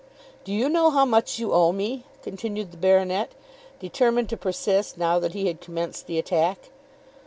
"Do you know how much you owe me?" continued the baronet, determined to persist now that he had commenced the attack.